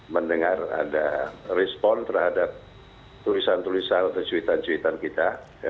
mendengar ada respon terhadap tulisan tulisan atau cuitan cuitan kita